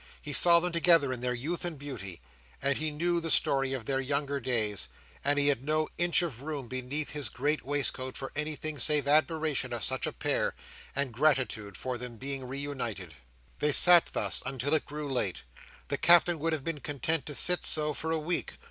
He saw them together in their youth and beauty, and he knew the story of their younger days, and he had no inch of room beneath his great blue waistcoat for anything save admiration of such a pair, and gratitude for their being reunited. They sat thus, until it grew late. The Captain would have been content to sit so for a week.